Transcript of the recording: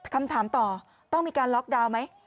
คำถามต่อต้องมีการล็อกดาวน์ไหม